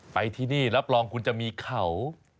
ไปที่นี่รับรองคุณจะมีเขา